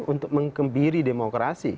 untuk mengembiri demokrasi